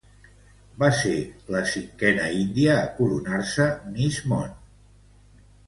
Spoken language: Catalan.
Va ser la cinquena índia a coronar-se Miss Món.